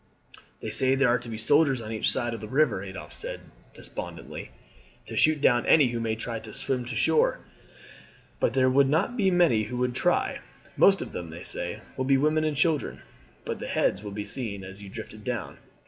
"They say there are to be soldiers on each side of the river," Adolphe said despondently, "to shoot down any who may try to swim to shore. But there would not be many who would try. Most of them, they say, will be women and children; but the heads would be seen as you drifted down."